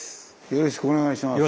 よろしくお願いします。